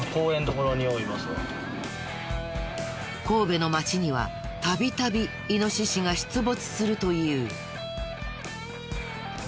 神戸の街には度々イノシシが出没するという。